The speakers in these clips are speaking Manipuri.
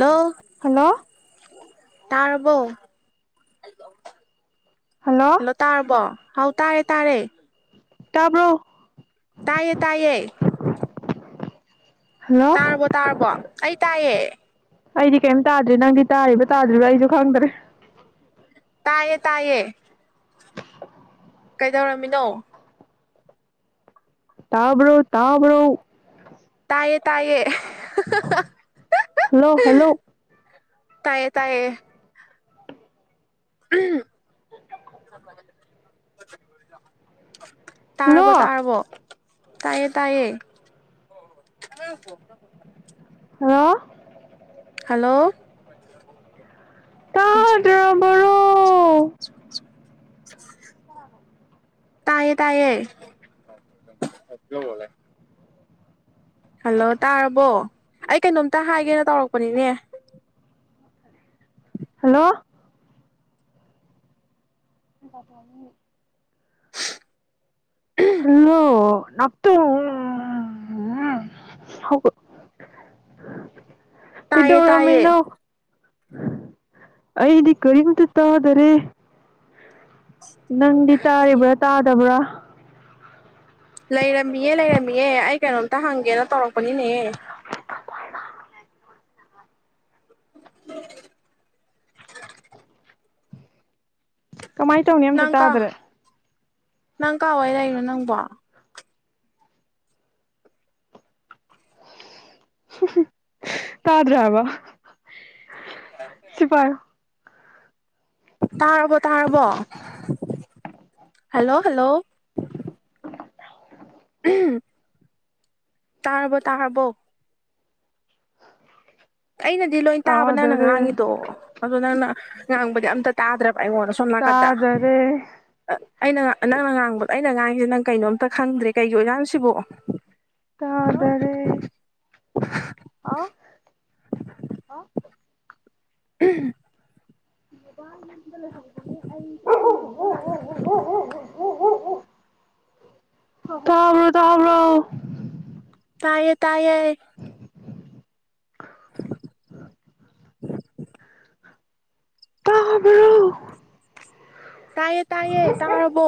ꯂꯣ ꯍꯜꯂꯣ ꯇꯥꯔꯕꯣ ꯍꯜꯂꯣ ꯍꯜꯂꯣ ꯇꯥꯔꯕꯣ ꯍꯥꯎ ꯇꯥꯔꯦ ꯇꯥꯔꯦ ꯇꯥꯕ꯭ꯔꯣ ꯇꯥꯏꯌꯦ ꯇꯥꯏꯌꯦ ꯍꯜꯂꯣ ꯇꯥꯔꯕꯣ ꯇꯥꯔꯕꯣ ꯑꯩ ꯇꯥꯏꯌꯦ ꯑꯩꯗꯤ ꯀꯩꯝ ꯇꯥꯗ꯭ꯔꯦ ꯅꯪꯗꯤ ꯇꯥꯔꯤꯕ ꯇꯥꯗ꯭ꯔꯤꯕꯥ ꯑꯩꯁꯨ ꯈꯪꯗ꯭ꯔꯦ ꯇꯥꯏꯌꯦ ꯇꯥꯏꯌꯦ ꯀꯩꯗꯧꯔꯝꯃꯤꯅꯣ ꯇꯥꯕ꯭ꯔꯣ ꯇꯥꯕ꯭ꯔꯣ ꯇꯥꯏꯌꯦ ꯇꯥꯏꯌꯦ ꯍꯜꯂꯣ ꯍꯜꯂꯣ ꯇꯥꯏꯌꯦ ꯇꯥꯏꯌꯦ ꯎꯝ [unintelligible] ꯍꯜꯂꯣ ꯇꯥꯔꯕꯣ ꯇꯥꯔꯕꯣ ꯇꯥꯏꯌꯦ ꯇꯥꯏꯌꯦ [unintelligible] ꯍꯜꯂꯣ ꯍꯜꯂꯣ [unintelligible] ꯇꯥꯗ꯭ꯔꯕꯔꯣ [unintelligible] ꯇꯥꯏꯌꯦ ꯇꯥꯏꯌꯦ [unintelligible] ꯍꯜꯂꯣ ꯇꯥꯔꯕꯣ ꯑꯩ ꯀꯩꯅꯣꯝꯇ ꯍꯥꯏꯒꯦꯅ ꯇꯧꯔꯛꯄꯅꯤꯅꯦ ꯍꯜꯂꯣ [unintelligible] ꯍꯜꯂꯣ [unintelligible] [unintelligible] ꯇꯥꯏꯌꯦ ꯇꯥꯏꯌꯦ ꯀꯗꯧꯔꯝꯃꯤꯅꯣ ꯑꯩꯗꯤ ꯀꯥꯔꯤꯝꯇ ꯇꯥꯗꯔꯦ ꯅꯪꯗꯤ ꯇꯥꯔꯤꯕ꯭ꯔꯥ ꯇꯥꯗꯕ꯭ꯔꯥ ꯂꯩꯔꯝꯃꯤꯌꯦ ꯂꯩꯔꯝꯃꯤꯌꯦ ꯑꯩ ꯀꯩꯅꯣꯝꯇ ꯍꯪꯒꯦꯅ ꯇꯧꯔꯛꯄꯅꯤꯅꯦ [unintelligible] [unintelligible] ꯀꯃꯥꯏꯅ ꯇꯧꯅꯤ ꯑꯝꯇ ꯅꯪ ꯀꯥ ꯇꯥꯗꯔꯦ ꯅꯪ ꯀꯥꯋꯥꯏ ꯂꯩꯔꯤꯅꯣ ꯅꯪꯕꯣ [unintelligible] ꯇꯥꯗ꯭ꯔꯦ ꯍꯥꯏꯕ [inaudible] ꯁꯤ ꯄꯥꯏꯌꯣ ꯇꯥꯔꯔꯕꯣ ꯇꯥꯔꯕꯣ ꯍꯜꯂꯣ ꯍꯜꯂꯣ [unintelligible] ꯇꯥꯔꯕꯣ ꯇꯥꯔꯕꯣ ꯑꯩꯅꯗꯤ ꯂꯣꯏꯅ ꯇꯥꯕ ꯅꯪꯅ ꯇꯥꯗꯔꯦ ꯉꯥꯡꯉꯤꯗꯣ ꯑꯗꯣ ꯅꯪꯅ ꯉꯥꯡꯕꯗꯤ ꯑꯝꯇ ꯇꯥꯗ꯭ꯔꯕ ꯑꯩꯉꯣꯟꯗ ꯁꯣꯝ ꯅꯥꯀꯟꯗ ꯇꯥꯗꯔꯦ ꯑꯩꯅ ꯅꯪꯅ ꯉꯥꯡꯕꯗꯣ ꯑꯩꯅ ꯉꯥꯡꯉꯁꯦ ꯅꯪ ꯀꯩꯅꯣꯝꯇ ꯈꯪꯗ꯭ꯔꯦ ꯀꯩꯒꯤ ꯑꯣꯏꯖꯥꯠꯅꯣ ꯁꯤꯕꯣ [unintelligible] [inaudible] ꯇꯥꯗꯔꯦ ꯍꯥꯎ [unintelligible] [unintelligible] [unintelligible] [inaudible] ꯇꯥꯕ꯭ꯔꯣ ꯇꯥꯕ꯭ꯔꯣ ꯇꯥꯏꯌꯦ ꯇꯥꯏꯌꯦ ꯇꯥꯕ꯭ꯔꯣ ꯇꯥꯏꯌꯦ ꯇꯥꯏꯌꯦ ꯇꯥꯔꯕꯣ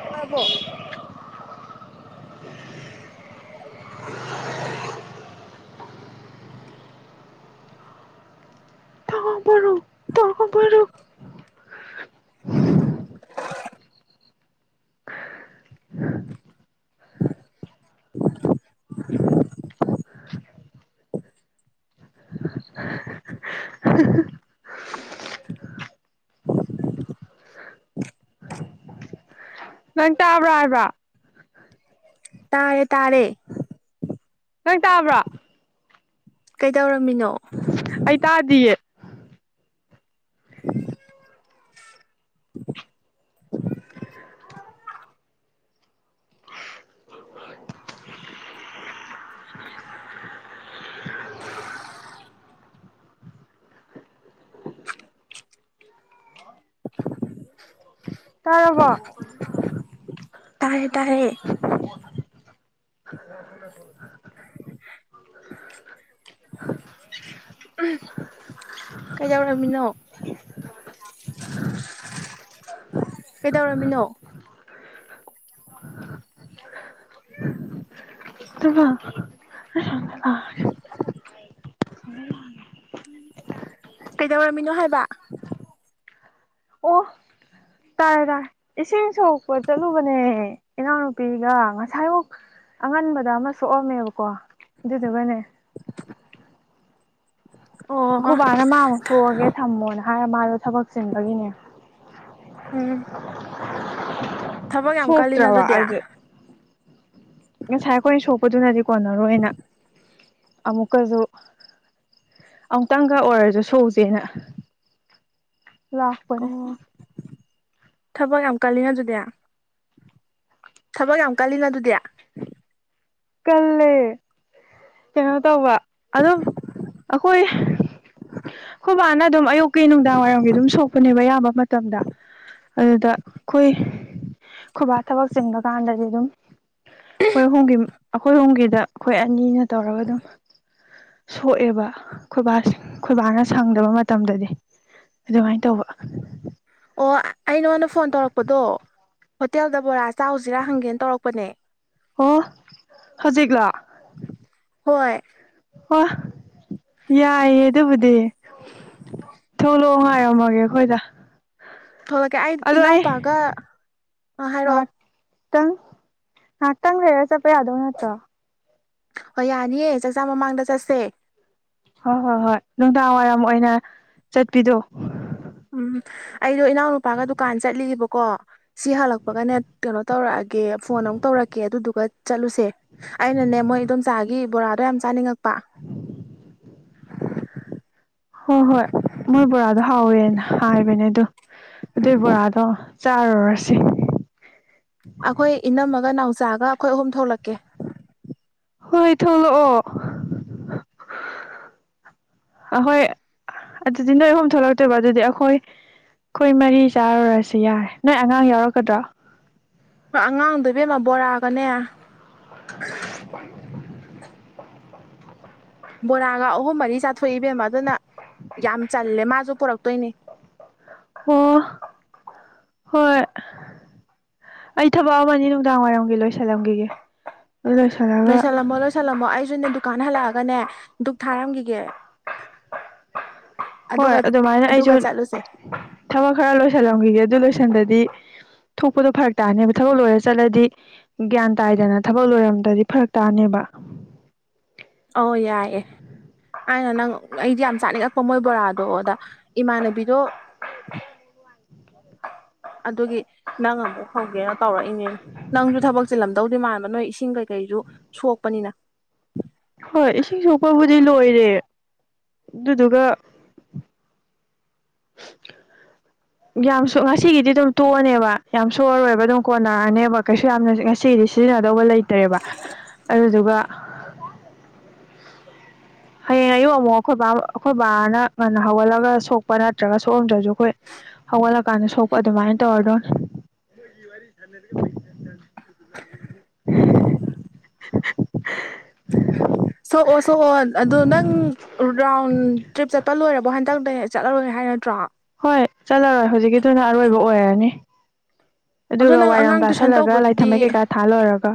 ꯇꯥꯔꯕꯣ [unintelligible] [unintelligible] [unintelligible] [unintelligible] [inaudible] [unintelligible] ꯅꯪ ꯇꯥꯕ꯭ꯔꯥ ꯍꯥꯏꯕꯥ ꯇꯥꯔꯦ ꯇꯥꯔꯦ ꯅꯪ ꯇꯥꯕ꯭ꯔꯥ ꯀꯩꯗꯧꯔꯝꯃꯤꯅꯣ ꯑꯩ ꯇꯥꯗꯤꯌꯦ [inaudible] ꯇꯥꯔꯕꯣ ꯇꯥꯔꯦ ꯇꯥꯔꯦ [inaudible] [inaudible] [inaudible] ꯀꯩꯗꯧꯔꯝꯃꯤꯅꯣ [inaudible] ꯀꯩꯗꯧꯔꯝꯃꯤꯅꯣ [unintelligible] ꯀꯩꯗꯧꯔꯝꯃꯤꯅꯣ ꯍꯥꯏꯕ ꯑꯣ ꯇꯥꯥꯔꯦ ꯇꯥꯔꯦ ꯏꯁꯤꯡ ꯁꯣꯛꯄ ꯆꯠꯂꯨꯕꯅꯦ ꯏꯅꯥꯎꯅꯨꯄꯤꯒ ꯉꯁꯥꯏꯃꯨꯛ ꯑꯉꯟꯕꯗ ꯑꯃ ꯁꯣꯛꯑꯝꯃꯦꯕꯀꯣ ꯑꯗꯨꯗꯨꯒꯅꯦ ꯑꯣ ꯈꯣꯏꯕꯥꯅ ꯃꯥ ꯑꯃꯨꯛ ꯁꯣꯛꯑꯒꯦ ꯊꯝꯃꯣꯅ ꯍꯥꯏꯔ ꯃꯥꯗꯣ ꯊꯕꯛ ꯆꯤꯟꯕꯒꯤꯅꯦ ꯎꯝ ꯊꯕꯛ ꯌꯥꯝ ꯀꯜꯂꯤꯅ ꯁꯣꯛꯇ꯭ꯔꯕ ꯑꯗꯨꯗꯤ ꯑꯗꯨ ꯑꯣ ꯉꯁꯥꯏ ꯑꯩꯈꯣꯏꯅ ꯁꯣꯛꯄꯗꯨꯅꯗꯤ ꯀꯣꯟꯅꯔꯣꯏꯅ ꯑꯃꯨꯛꯀꯁꯨ ꯑꯃꯨꯛꯇꯪꯒ ꯑꯣꯏꯔꯁꯨ ꯁꯣꯛꯎꯁꯦꯅ [unintelligible] ꯑꯣ ꯊꯕꯛ ꯌꯥꯝ ꯀꯥꯜꯂꯤꯅ ꯑꯗꯨꯗꯤ ꯊꯕꯛ ꯌꯥꯝ ꯀꯜꯂꯤꯅ ꯑꯗꯨꯗꯤ ꯀꯜꯂꯦ ꯀꯩꯅꯣ ꯇꯧꯕ ꯑꯗꯨꯝ ꯑꯩꯈꯣꯏ ꯈꯣꯏꯕꯥꯅ ꯑꯗꯨꯝ ꯑꯌꯨꯛꯀꯤ ꯅꯨꯡꯗꯥꯡ ꯋꯥꯏꯔꯝꯒꯤ ꯑꯗꯨꯝ ꯁꯣꯛꯄꯅꯦꯕ ꯑꯌꯥꯝꯕ ꯃꯇꯝꯗ ꯑꯗꯨꯗ ꯑꯈꯣꯏ ꯈꯣꯏꯕꯥ ꯊꯕꯛ ꯆꯤꯟꯕ ꯀꯥꯟꯗꯗꯤ ꯑꯗꯨꯝ ꯑꯩꯈꯣꯏ ꯑꯍꯨꯝꯒꯤ ꯑꯩꯈꯣꯏ ꯑꯍꯨꯝꯒꯤꯗ ꯑꯩꯈꯣꯏ ꯑꯅꯤꯅ ꯇꯧꯔꯒ ꯑꯗꯨꯝ ꯁꯣꯛꯑꯦꯕ ꯈꯣꯏꯕꯥ ꯈꯣꯏꯕꯥꯅ ꯁꯪꯗꯕ ꯃꯇꯝꯗꯗꯤ ꯑꯗꯨꯃꯥꯏꯅ ꯇꯧꯕ ꯑꯣ ꯑꯩ ꯅꯉꯣꯟꯗ ꯐꯣꯟ ꯇꯧꯔꯛꯄꯗꯣ ꯍꯣꯇꯦꯜꯗ ꯕꯣꯔꯥ ꯆꯥꯎꯁꯤꯔꯥ ꯍꯪꯒꯦꯅ ꯇꯧꯔꯛꯄꯅꯦ ꯑꯣ ꯍꯧꯖꯤꯛꯂꯣ ꯍꯣꯏ ꯍꯣ ꯌꯥꯏꯌꯦ ꯑꯗꯨꯕꯨꯗꯤ ꯊꯣꯛꯣꯂꯛꯑꯣ ꯉꯥꯏꯔꯝꯃꯒꯦ ꯑꯩꯈꯣꯏꯗ ꯊꯣꯛꯂꯛꯀꯦ ꯑꯩ ꯏꯅꯥꯎꯄꯥꯒ ꯍꯥꯏꯔꯛꯑꯣ ꯈꯤꯇꯪ ꯉꯥꯛꯇꯪ ꯂꯩꯔ ꯆꯠꯄ ꯌꯥꯗꯧ ꯅꯠꯇ꯭ꯔꯣ ꯍꯣꯏ ꯌꯥꯅꯤꯌꯦ ꯆꯥꯛꯆꯥ ꯃꯃꯥꯡꯗ ꯆꯠꯁꯦ ꯍꯣꯏ ꯍꯣꯏ ꯍꯣꯏ ꯅꯨꯡꯗꯥꯡꯋꯥꯏꯔꯝ ꯑꯣꯏꯅ ꯆꯠꯄꯤꯗꯣ ꯎꯝ ꯑꯩꯗꯣ ꯏꯅꯥꯎꯅꯨꯄꯥꯒ ꯗꯨꯀꯥꯟ ꯆꯠꯂꯤꯕꯀꯣ ꯁꯤ ꯍꯜꯂꯛꯄꯒꯅꯦ ꯀꯩꯅꯣ ꯇꯧꯔꯛꯑꯒꯦ ꯐꯣꯟ ꯑꯃꯨꯛ ꯇꯧꯔꯛꯀꯦ ꯑꯗꯨꯗꯨꯒ ꯆꯠꯂꯨꯁꯦ ꯑꯩꯅꯅꯦ ꯃꯣꯏ ꯏꯗꯣꯝꯆꯥꯒꯤ ꯕꯣꯔꯥꯗꯣ ꯌꯥꯝ ꯆꯥꯅꯤꯡꯉꯛꯄ ꯍꯣꯏ ꯍꯣꯏ ꯃꯣꯏ ꯕꯣꯔꯥꯗꯣ ꯍꯥꯎꯋꯦꯅ ꯍꯥꯏꯕꯅꯦ ꯑꯗꯨ ꯑꯗꯨꯏ ꯕꯣꯔꯥꯗꯣ ꯆꯥꯔꯨꯔꯁꯤ ꯑꯩꯈꯣꯏ ꯏꯅꯝꯃꯒ ꯅꯥꯎꯆꯥꯒ ꯑꯩꯈꯣꯏ ꯑꯍꯨꯝ ꯊꯣꯛꯂꯛꯀꯦ ꯍꯣꯏ ꯊꯣꯛꯂꯛꯑꯣ ꯑꯍꯣꯏ ꯑꯗꯨꯗꯤ ꯅꯣꯏ ꯑꯍꯨꯝ ꯊꯣꯛꯂꯛꯇꯣꯏꯕ ꯑꯗꯨꯗꯤ ꯑꯩꯈꯣꯏ ꯑꯩꯈꯣꯏ ꯃꯔꯤ ꯆꯥꯔꯨꯔꯁꯤ ꯌꯥꯔꯦ ꯅꯣꯏ ꯑꯉꯥꯡ ꯌꯥꯎꯔꯛꯀꯗ꯭ꯔꯣ ꯍꯣꯏ ꯑꯉꯥꯡꯗꯨ ꯏꯕꯦꯝꯃ ꯕꯣꯔꯥꯑꯒꯅꯦ ꯍꯣꯏ ꯕꯣꯔꯥꯒ ꯑꯍꯨꯝ ꯃꯔꯤ ꯆꯥꯊꯣꯛꯏꯕꯦꯝꯃ ꯑꯗꯨꯅ ꯌꯥꯝ ꯆꯜꯂꯦ ꯃꯥꯁꯨ ꯄꯨꯣꯔꯛꯇꯣꯏꯅꯦ ꯑꯣ ꯍꯣꯏ ꯑꯩ ꯊꯕꯛ ꯑꯃꯅꯤ ꯅꯨꯡꯗꯥꯡ ꯋꯥꯏꯔꯝꯒꯤ ꯂꯣꯏꯁꯤꯜꯂꯝꯈꯤꯒꯦ ꯂꯣꯏꯁꯜꯂꯝ ꯃꯣ ꯂꯣꯏꯁꯤꯜꯂꯝꯃꯣ ꯑꯩꯁꯨꯅꯦ ꯗꯨꯀꯥꯟ ꯍꯜꯂꯛꯑꯒꯅꯦ ꯗꯨꯛ ꯊꯥꯔꯝꯈꯤꯒꯦ ꯍꯣꯏ ꯑꯗꯨꯒ ꯑꯗꯨꯃꯥꯏꯅ ꯑꯗꯨꯒ ꯑꯩꯁꯨ ꯆꯠꯂꯨꯁꯦ ꯊꯕꯛ ꯈꯔ ꯂꯣꯏꯁꯜꯂꯝꯈꯤꯒꯦ ꯑꯗꯨ ꯂꯣꯏꯁꯟꯗꯗꯤ ꯊꯣꯛꯄꯗꯣ ꯐꯔꯛ ꯇꯥꯅꯦꯕ ꯊꯕꯛ ꯂꯣꯏꯔ ꯆꯠꯂꯗꯤ ꯒ꯭ꯌꯥꯟ ꯇꯥꯏꯗꯅ ꯊꯕꯛ ꯂꯣꯏꯔꯝꯗꯗꯤ ꯐꯔꯛ ꯇꯥꯅꯦꯕ ꯑ ꯌꯥꯏꯌꯦꯦ ꯑꯩꯅ ꯅꯪ ꯑꯩꯗꯤ ꯌꯥꯝ ꯆꯥꯅꯤꯡꯉꯛꯄ ꯃꯣꯏ ꯕꯣꯔꯥꯗꯣ ꯑꯗꯥ ꯏꯃꯥꯟꯅꯕꯤꯗꯣ [inaudible] ꯑꯗꯨꯒꯤ ꯅꯪ ꯑꯃꯨꯛ ꯍꯧꯒꯦꯅ ꯇꯧꯔꯛꯏꯅꯦ ꯅꯪꯁꯨ ꯊꯕꯛ ꯆꯤꯜꯂꯝꯗ ꯇꯧꯗꯦ ꯃꯥꯟꯕ ꯅꯣꯏ ꯏꯁꯤꯡ ꯀꯩꯀꯩꯁꯨ ꯁꯣꯛꯄꯅꯤꯅ ꯍꯣꯏ ꯏꯁꯤꯡ ꯁꯣꯛꯄꯕꯨꯗꯤ ꯂꯣꯏꯔꯦ ꯑꯗꯨꯗꯨꯒ ꯎꯝ ꯌꯥꯝꯁꯨ ꯉꯁꯤꯒꯤꯗꯤ ꯑꯗꯨꯝ ꯇꯣꯛꯑꯅꯦꯕ ꯌꯥꯝ ꯁꯣꯔꯔꯣꯏꯕ ꯑꯗꯨꯝ ꯀꯣꯟꯅꯔꯛꯑꯅꯦꯕ ꯀꯩꯁꯨ ꯌꯥꯝꯅ ꯉꯁꯤꯒꯤꯗꯤ ꯁꯤꯖꯤꯟꯅꯗꯧꯕ ꯂꯩꯇ꯭ꯔꯦꯕ ꯑꯗꯨꯗꯨꯒ ꯍꯌꯦꯡ ꯑꯌꯨꯛ ꯑꯃꯨꯛ ꯑꯩꯈꯣꯏ ꯕꯥ ꯑꯩꯈꯣꯏ ꯕꯥꯅ ꯉꯟꯅ ꯍꯧꯒꯠꯂꯒ ꯁꯣꯛꯄ ꯅꯠꯇ꯭ꯔꯒ ꯁꯣꯛꯑꯝꯗ꯭ꯔꯁꯨ ꯑꯩꯈꯣꯏ ꯍꯧꯒꯠꯂꯀꯥꯟꯗ ꯁꯣꯛꯄ ꯑꯗꯨꯃꯥꯏꯅ ꯇꯧꯔꯗꯣꯏꯅꯦ ꯁꯣꯛꯑꯣ ꯁꯣꯛꯑꯣꯣ ꯑꯗꯨꯣ ꯅꯪ ꯔꯥꯎꯟ ꯇ꯭ꯔꯤꯞ ꯆꯠꯄ ꯂꯣꯏꯔꯕꯣ ꯍꯟꯇꯛꯇ ꯆꯠꯂꯔꯣꯏꯅꯦ ꯍꯥꯏ ꯅꯠꯇ꯭ꯔꯣ ꯍꯣꯏ ꯆꯠꯂꯔꯣꯏ ꯍꯧꯖꯤꯛꯀꯤꯗꯨꯅ ꯑꯔꯣꯏꯕ ꯑꯣꯏꯔꯅꯤ ꯑꯗꯣ ꯑꯗꯨꯒ ꯅꯪ ꯋꯥꯏꯔꯥꯡ ꯑꯉꯥꯡ ꯇꯨꯏꯁꯟ ꯇꯥꯁꯜꯂꯒ ꯇꯧꯕꯗꯨꯗꯤ ꯂꯥꯏꯊꯝꯝꯕꯩ ꯀꯩꯀꯥ ꯊꯥꯜ ꯂꯣꯏꯔꯒ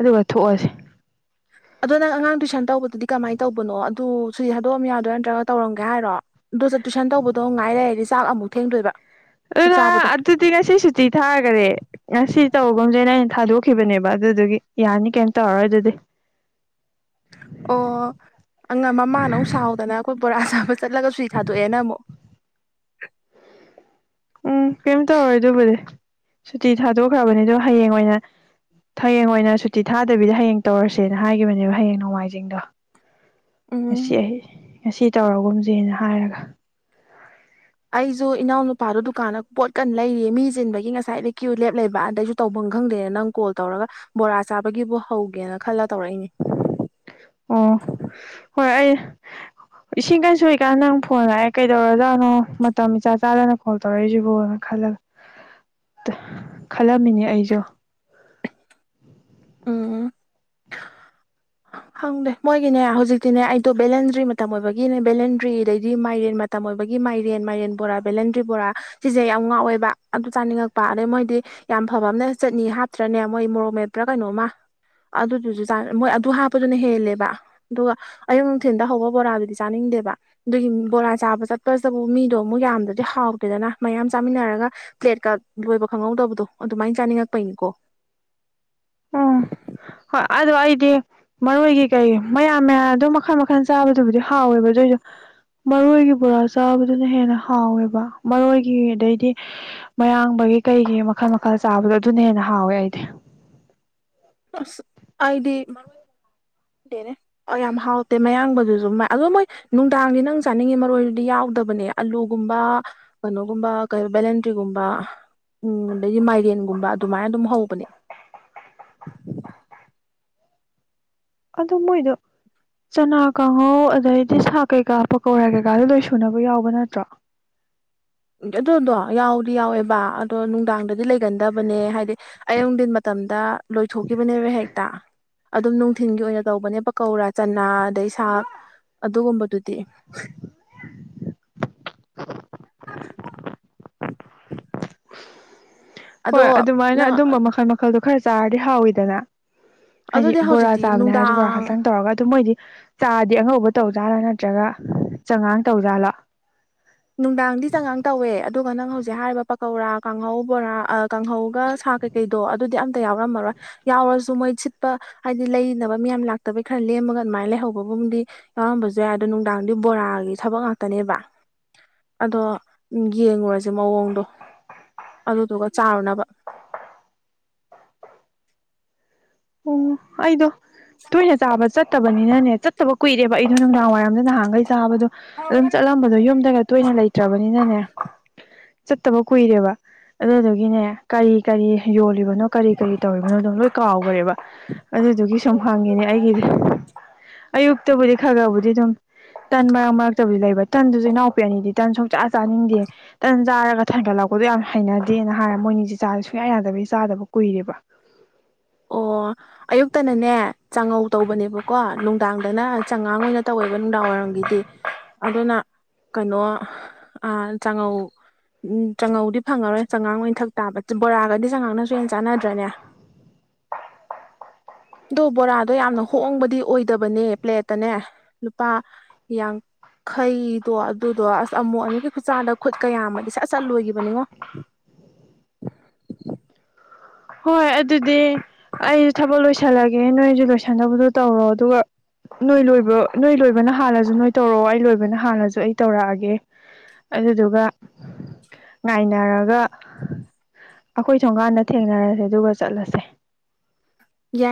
ꯑꯗꯨꯒ ꯊꯣꯛꯑꯁꯤ ꯑꯗꯣ ꯅꯪ ꯑꯉꯥꯡ ꯇꯨꯏꯁꯟ ꯇꯧꯕꯗꯨꯗꯤ ꯀꯃꯥꯏꯅ ꯇꯧꯕꯅꯣ ꯑꯗꯨ ꯁꯨꯗꯤ ꯊꯗꯣꯛꯑꯝ ꯌꯥꯗꯣꯏꯥ ꯅꯠꯇ꯭ꯔꯒ ꯇꯧꯔꯝꯒꯦ ꯍꯥꯏꯔꯣ ꯑꯗꯣ ꯆ ꯇꯨꯏꯁꯟ ꯇꯧꯕꯗꯣ ꯉꯥꯏꯔꯗꯤ ꯆꯥꯛ ꯑꯃꯨꯛ ꯊꯦꯡꯗꯣꯏꯕ ꯆꯥꯛ ꯑꯗꯨꯍ ꯆꯥꯕꯗꯣ ꯑꯗꯨꯗꯤ ꯉꯁꯤ ꯁꯨꯇꯤ ꯊꯥꯈꯔꯦ ꯉꯁꯤꯗꯤ ꯇꯧꯕꯒꯨꯝꯁꯩꯅ ꯑꯩꯅ ꯊꯥꯗꯣꯛꯈꯤꯕꯅꯦꯕ ꯑꯗꯨꯗꯨꯒꯤ ꯌꯥꯅꯤ ꯀꯩꯝꯇ ꯇꯧꯔꯔꯣꯏ ꯑꯗꯨꯗꯤ ꯑꯣ ꯑ ꯃꯃꯥꯅ ꯑꯃꯨꯛ ꯁꯥꯍꯧꯗꯅ ꯑꯩꯈꯣꯏ ꯕꯣꯔꯥ ꯁꯥꯕ ꯆꯠꯂꯒꯁꯨ ꯊꯥꯗꯣꯛꯑꯦꯅ ꯑꯃꯨꯛ ꯎꯝ ꯀꯩꯝ ꯇꯧꯔꯣꯏ ꯑꯗꯨꯕꯨꯗꯤ ꯁꯨꯇꯤ ꯊꯥꯗꯣꯛꯈ꯭ꯔꯕꯅꯤꯗꯣ ꯍꯌꯦꯡ ꯑꯣꯏꯅ ꯍꯌꯦꯡ ꯑꯣꯏꯅ ꯁꯨꯇꯤ ꯊꯥꯗꯕꯤꯗ ꯍꯌꯦꯡ ꯇꯧꯔꯁꯦꯅ ꯍꯥꯏꯒꯤꯈꯤꯕꯅꯦꯕ ꯍꯌꯦꯡ ꯅꯣꯡꯃꯥꯏꯖꯤꯡꯗꯣ ꯎꯝ ꯁꯤ ꯑꯩ ꯉꯁꯤ ꯇꯧꯔꯒꯨꯝꯁꯦꯅ ꯍꯥꯏꯔꯒ ꯑꯩꯁꯨ ꯏꯅꯥꯎ ꯅꯨꯄꯥꯗꯨꯣ ꯗꯨꯀꯥꯟꯗ ꯄꯣꯠꯀꯟꯅ ꯂꯩꯔꯤꯌꯦ ꯃꯤ ꯆꯤꯟꯕꯒꯤ ꯉꯁꯥꯏꯗ ꯀ꯭ꯌꯨ ꯂꯦꯞ ꯂꯩꯕ ꯑꯗꯩꯒꯤ ꯇꯧꯐꯝ ꯈꯪꯗꯦ ꯅꯪ ꯀꯣꯜ ꯇꯧꯔꯒ ꯕꯣꯔꯥ ꯆꯥꯕꯒꯤꯕꯨ ꯍꯧꯒꯦꯅ ꯈꯜꯂꯥ ꯇꯧꯔꯛꯏꯅꯦ ꯑꯣ ꯍꯣꯏ ꯑꯩ ꯏꯁꯤꯡ ꯀꯥꯏ ꯁꯨꯏꯀꯥꯟꯗ ꯅꯪ ꯐꯣꯟ ꯂꯥꯛꯑꯦ ꯀꯩꯗꯧꯔꯖꯥꯠꯅꯣ ꯃꯇꯝ ꯏꯆꯥ ꯆꯥꯗꯅ ꯍꯣꯜ ꯇꯧꯔꯏꯁꯤꯕꯨꯣꯅ ꯈꯜꯂꯒ ꯑꯣ ꯍꯣꯏ ꯈꯜꯂꯝꯃꯤꯅꯦ ꯑꯩꯖꯨ ꯎꯝ ꯍꯪꯗꯦ ꯃꯣꯏꯒꯤꯅꯦ ꯍꯧꯖꯤꯛꯇꯤꯅꯦ ꯑꯩꯗꯣ ꯕꯦꯂꯦꯟꯗ꯭ꯔꯤ ꯃꯇꯝ ꯑꯣꯏꯕꯒꯤꯅꯦ ꯕꯦꯂꯦꯟꯗ꯭ꯔꯤꯗꯩꯗꯤ ꯃꯥꯏꯔꯦꯟ ꯃꯇꯝ ꯑꯣꯏꯕꯒꯤ ꯃꯥꯏꯔꯦꯟ ꯃꯥꯏꯔꯦꯟ ꯕꯣꯔꯥ ꯕꯦꯂꯦꯟꯗ꯭ꯔꯤ ꯕꯣꯔꯥ ꯁꯤꯁꯦ ꯌꯥꯝ ꯉꯥꯛꯑꯣꯏꯕ ꯑꯗꯨ ꯆꯥꯅꯤꯡꯉꯛꯄ ꯑꯗꯩ ꯃꯣꯏꯗꯤ ꯌꯥꯝ ꯐꯕ ꯑꯃꯅꯦ ꯆꯠꯅꯤ ꯍꯥꯞꯇ꯭ꯔꯅꯦ ꯃꯣꯏ ꯃꯣꯔꯣꯛ ꯃꯦꯠꯄ꯭ꯔꯥ ꯀꯩꯅꯣꯝꯃ ꯑꯗꯨꯗꯨꯁꯨ ꯃꯣꯏ ꯑꯗꯨ ꯄꯗꯨꯅ ꯍꯦꯜꯂꯦꯕ ꯑꯗꯨꯒ ꯑꯌꯨꯛ ꯅꯨꯡꯊꯤꯟꯜꯗ ꯍꯧꯕ ꯕꯣꯔꯥꯗꯨꯗꯤ ꯆꯥꯅꯤꯡꯗꯦꯕ ꯑꯗꯨꯒꯤ ꯕꯣꯔꯥ ꯆꯥꯕ ꯆꯠꯄꯁꯤꯗꯕꯨ ꯃꯤꯗꯣ ꯑꯃꯨꯛ ꯌꯥꯝꯗ꯭ꯔꯗꯤ ꯍꯥꯎꯗꯦꯗꯅ ꯃꯌꯥꯝ ꯆꯥꯃꯤꯟꯅꯔꯒ ꯄ꯭ꯂꯦꯠꯀ ꯂꯣꯏꯕ ꯈꯪꯍꯧꯗꯕꯗꯣ ꯑꯗꯨꯃꯥꯏꯅ ꯆꯥꯅꯤꯡꯉꯛꯄꯩꯅꯤꯀꯣ ꯎꯝ [inaudible] ꯍꯣꯏ ꯑꯗꯨ ꯑꯩꯗꯤ ꯃꯔꯣꯏꯒꯤ ꯀꯩ ꯃꯌꯥꯜ ꯃꯌꯥꯜ ꯑꯗꯨꯝ ꯃꯈꯜ ꯃꯈꯜ ꯆꯥꯕꯗꯨꯕꯨꯗꯤ ꯍꯥꯎꯋꯦꯕ ꯑꯗꯨꯏꯖꯨ ꯃꯔꯣꯏꯒꯤ ꯕꯣꯔꯥ ꯆꯥꯕꯗꯨꯅ ꯍꯦꯟꯅ ꯍꯥꯎꯋꯦꯕ ꯃꯔꯣꯏꯒꯤ ꯑꯗꯩꯗꯤ ꯃꯌꯥꯡꯕꯒꯤ ꯀꯩꯒꯤ ꯃꯈꯜ ꯃꯈꯜ ꯆꯥꯕꯗꯣ ꯑꯗꯨꯅ ꯍꯦꯟꯅ ꯍꯥꯎꯋꯦ ꯑꯩꯗꯤ ꯑꯩꯗꯤ ꯗꯦꯅꯦ ꯑ ꯌꯥꯝ ꯍꯥꯎꯇꯦ ꯃꯌꯥꯡꯕꯗꯨꯖꯨ ꯃ ꯑꯗꯨ ꯃꯣꯏ ꯅꯨꯡꯗꯥꯡꯗꯤ ꯅꯪ ꯆꯥꯅꯤꯡꯉꯤ ꯃꯔꯣꯏꯗꯨꯗꯤ ꯌꯥꯎꯗꯕꯅꯦ ꯑꯂꯨꯒꯨꯝꯕ ꯀꯩꯅꯣꯒꯨꯝꯕ ꯀ ꯕꯦꯂꯦꯟꯗ꯭ꯔꯤꯒꯨꯝꯕ ꯎꯝ ꯑꯗꯩꯗꯤ ꯃꯥꯏꯔꯦꯟꯒꯨꯝꯕ ꯑꯗꯨꯃꯥꯏꯅ ꯑꯗꯨꯝ ꯍꯧꯕꯅꯤ ꯑꯗꯨ ꯃꯣꯏꯗꯣ ꯆꯅꯥ ꯀꯥꯡꯍꯧ ꯑꯗꯩꯗꯤ ꯁꯥꯥꯛ ꯀꯩꯀꯥ ꯄꯧꯀꯧꯔꯥ ꯀꯩꯀꯥꯗꯨ ꯂꯣꯏ ꯁꯨꯅꯕ ꯌꯥꯎꯕ ꯅꯠꯇ꯭ꯔꯣ ꯑꯗꯨꯗꯣ ꯌꯥꯎꯗꯤ ꯌꯥꯎꯋꯦ ꯕ ꯑꯗꯣ ꯅꯨꯡꯗꯥꯡꯗꯗꯤ ꯂꯩꯒꯟꯗꯕꯅꯦ ꯍꯥꯏꯗꯤ ꯑꯌꯨꯛ ꯗꯤꯟ ꯃꯇꯝꯗ ꯂꯣꯏꯊꯣꯛꯈꯤꯕꯅꯦꯕ ꯍꯦꯛꯇ ꯑꯗꯨꯝ ꯅꯨꯡꯊꯤꯟꯒꯤ ꯑꯣꯏꯅ ꯇꯧꯕꯅꯦ ꯄꯀꯧꯔꯥ ꯆꯅꯥ ꯑꯗꯩ ꯁꯥꯛ ꯑꯗꯨꯒꯨꯝꯕꯗꯨꯗꯤ [inaudible] ꯑꯗꯣ ꯍꯣꯏ ꯑꯗꯨꯃꯥꯏꯅ ꯅꯪ ꯑꯗꯨꯝꯕ ꯃꯈꯜ ꯃꯈꯜꯗꯣ ꯈꯔ ꯆꯥꯔꯗꯤ ꯍꯥꯎꯋꯤꯗꯅ ꯍꯥꯏꯗꯤ ꯑꯗꯨꯗꯤ ꯕꯣꯔꯥ ꯍꯧꯖꯤꯛꯇꯤ ꯆꯥꯕꯅꯦ ꯍꯥꯏꯔꯖꯨ ꯕꯣꯔꯥ ꯅꯨꯡꯗꯥꯡ ꯈꯛꯇꯪ ꯇꯧꯔꯒ ꯑꯗꯨꯝ ꯃꯣꯏꯗꯤ ꯆꯥꯗꯤ ꯑꯉꯧꯕ ꯇꯧꯖꯥꯠꯂꯥ ꯅꯠꯇ꯭ꯔꯒ ꯆꯉꯥꯡ ꯇꯧꯖꯥꯠꯂꯣ ꯅꯨꯡꯗꯥꯡꯗꯤ ꯆꯉꯥꯡ ꯇꯧꯋꯦ ꯑꯗꯨꯒ ꯅꯪ ꯍꯧꯖꯤꯛ ꯍꯥꯏꯔꯤꯕ ꯄꯀꯧꯔꯥ ꯀꯥꯡꯍꯧ ꯕꯣꯔꯥ ꯑ ꯀꯥꯡꯍꯧꯒ ꯁꯥ ꯀꯩ ꯀꯩꯗꯣ ꯑꯗꯨꯗꯤ ꯑꯝꯇ ꯌꯥꯎꯔꯝꯃꯔꯣꯏ ꯌꯥꯎꯔꯁꯨ ꯃꯣꯏ ꯁꯤꯠꯄ ꯍꯥꯏꯗꯤ ꯂꯩꯅꯕ ꯃꯌꯥꯝ ꯂꯥꯛꯇꯕꯩ ꯈꯔ ꯂꯦꯝꯃꯒ ꯑꯗꯨꯃꯥꯏꯅ ꯂꯩꯍꯧꯕꯒꯨꯝꯗꯤ ꯌꯥꯎꯔꯝꯕꯖꯨ ꯌꯥꯏ ꯑꯗꯣ ꯅꯨꯡꯗꯥꯡꯗꯤ ꯕꯣꯔꯥꯒꯤ ꯊꯕꯛ ꯉꯥꯛꯇꯅꯦꯕ ꯑꯗꯣ ꯌꯦꯡꯉꯨꯔꯖꯦ ꯃꯑꯣꯡꯗꯣ ꯑꯗꯨꯗꯨꯒ ꯆꯥꯔꯨꯅꯕ ꯄꯨꯡ ꯑꯩꯗꯣ ꯇꯣꯏꯅ ꯆꯥꯕ ꯆꯠꯇꯕꯅꯤꯅꯅꯦ ꯆꯠꯇꯕ ꯀꯨꯏꯔꯦꯕ ꯑꯩꯗꯣ ꯅꯨꯡꯗꯥꯡ ꯋꯥꯏꯔꯝꯗ ꯅꯍꯥꯟꯈꯩ ꯆꯥꯕꯗꯣ ꯑꯗꯨꯝ ꯆꯠꯂꯝꯕꯗꯣ ꯌꯨꯝꯗꯒ ꯇꯣꯏꯅ ꯂꯩ ꯇ꯭ꯔꯕꯅꯤꯅꯅꯦ ꯆꯠꯇꯕ ꯀꯨꯏꯔꯦꯕ ꯑꯗꯨꯗꯨꯒꯤꯅꯦ ꯀꯔꯤ ꯀꯔꯤ ꯌꯣꯜꯂꯤꯕꯅꯣ ꯀꯔꯤ ꯀꯔꯤ ꯇꯧꯔꯤꯕꯅꯣꯗꯣ ꯂꯣꯏ ꯀꯥꯎꯒ꯭ꯔꯦꯕ ꯑꯗꯨꯗꯨꯒꯤ ꯁꯨꯝ ꯍꯪꯉꯤꯅꯦ ꯑꯩꯒꯤꯗꯤ ꯑꯌꯨꯛꯇꯕꯨꯗꯤ ꯈꯔ ꯈꯔꯕꯨꯗꯤ ꯑꯗꯨꯝ ꯇꯟ ꯃꯔꯛ ꯃꯔꯛꯇꯕꯨꯗꯤ ꯂꯩꯕ ꯇꯟꯗꯨꯖꯨ ꯏꯅꯥꯎꯄꯤ ꯑꯅꯤꯗꯤ ꯇꯟ ꯁꯨꯡꯆꯥ ꯆꯥꯅꯤꯡꯗꯦ ꯇꯟ ꯆꯥꯔꯒ ꯊꯟꯒꯠꯂꯛꯄꯗꯣ ꯌꯥꯝ ꯍꯩꯅꯗꯦꯅ ꯍꯥꯏꯔꯦ ꯃꯣꯏꯅꯤꯖꯦ ꯆꯥꯖꯦ ꯁꯨꯡꯌꯥ ꯌꯥꯗꯕꯒꯤ ꯆꯥꯗꯕ ꯀꯨꯏꯔꯦꯕ ꯑꯣ ꯑꯌꯨꯛꯇꯅꯅꯦ ꯉꯧ ꯇꯧꯕꯅꯦꯕꯀꯣ ꯅꯨꯡꯗꯥꯡꯗꯅ ꯆꯉꯥꯡ ꯑꯣꯏꯅ ꯇꯧꯋꯦꯕ ꯅꯨꯡꯗꯥꯡ ꯋꯥꯏꯔꯝꯒꯤꯗꯤ ꯑꯗꯨꯅ ꯀꯩꯅꯣ ꯑ ꯆꯥꯉꯧ ꯎꯝ ꯆꯉꯧꯗꯤ ꯐꯪꯉꯔꯣꯏ ꯆꯉꯥꯡ ꯂ ꯑꯣꯏꯅ ꯊꯛ ꯇꯥꯕ ꯕꯣꯔꯥꯒꯗꯤ ꯆꯉꯥꯡꯅꯁꯨ ꯍꯦꯟ ꯆꯥꯟꯅꯗ꯭ꯔꯅꯦ ꯑꯗꯣ ꯕꯣꯔꯥꯗꯣ ꯌꯥꯝꯅ ꯍꯣꯡꯕꯗꯤ ꯑꯣꯏꯗꯕꯅꯦ ꯄ꯭ꯂꯦꯠꯇꯅꯦ ꯂꯨꯄꯥ ꯈꯩꯗꯣ ꯑꯗꯨꯗꯣ ꯑꯁ ꯑꯃꯨꯛ ꯑꯅꯤꯔꯛꯀꯤ ꯈꯨꯠꯆꯥꯗ ꯈꯨꯠ ꯀꯌꯥ ꯌꯥꯝꯃꯗꯤ ꯁꯠ ꯁꯠ ꯂꯣꯏꯒꯤꯕꯅꯤꯉꯣ ꯍꯣꯏ ꯑꯗꯨꯗꯤ ꯑꯩꯁꯨ ꯊꯕꯛ ꯂꯣꯏꯁꯜꯂꯒꯦ ꯅꯣꯏꯖꯨ ꯂꯣꯏꯁꯟꯅꯕꯗꯣ ꯇꯧꯔꯣ ꯑꯗꯨꯒ ꯅꯣꯏ ꯂꯣꯏꯕ ꯅꯣꯏ ꯂꯣꯏꯕꯅ ꯍꯥꯟꯂꯥꯖꯨ ꯅꯣꯏ ꯇꯧꯔꯛꯑꯣ ꯑꯩ ꯂꯣꯏꯕꯅ ꯍꯥꯥꯟꯂꯥꯖꯨ ꯑꯩ ꯇꯧꯔꯛꯑꯒꯦ ꯑꯗꯨꯗꯨꯒ ꯉꯥꯏꯅꯔꯒ ꯑꯩꯈꯣꯏ ꯊꯣꯡꯒꯥꯟ ꯊꯦꯡꯅꯔꯥꯁꯦ ꯑꯗꯨꯒ ꯆꯠꯂꯥꯁꯦ ꯌꯥꯏ